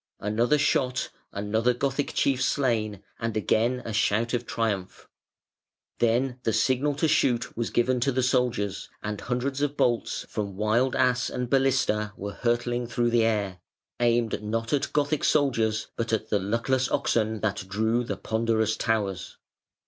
Another shot, another Gothic chief slain, and again a shout of triumph. Then the signal to shoot was given to the soldiers, and hundreds of bolts from Wild Ass and Balista were hurtling through the air, aimed not at Gothic soldiers, but at the luckless oxen that drew the ponderous towers.